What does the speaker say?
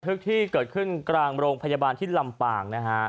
ทึกที่เกิดขึ้นกลางโรงพยาบาลที่ลำปางนะฮะ